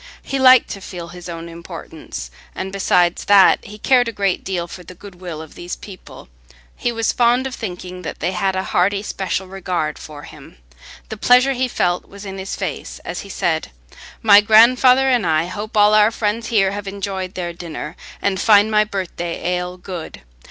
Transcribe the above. He liked to feel his own importance, and besides that, he cared a great deal for the good will of these people: he was fond of thinking that they had a hearty, special regard for him. The pleasure he felt was in his face as he said, "My grandfather and I hope all our friends here have enjoyed their dinner, and find my birthday ale good.